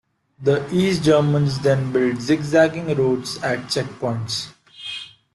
The East Germans then built zig-zagging roads at checkpoints.